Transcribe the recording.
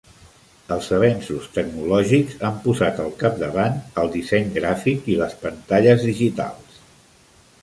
Els avenços tecnològics han posat al capdavant el disseny gràfic i les pantalles digitals.